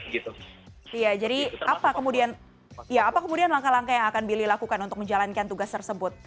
jadi apa kemudian langkah langkah yang akan billy lakukan untuk menjalankan tugas tersebut